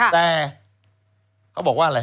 แต่เขาบอกว่าอะไร